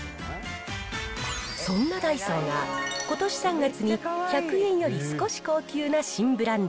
そんなダイソーがことし３月に、１００円より少し高級な新ブランド、